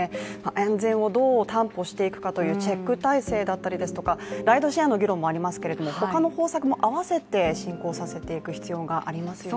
安全をどう担保していくかというチェック体制でしたりとか、ライドシェアの議論もありましたけど他の方策も合わせて進行させていく必要がありますね。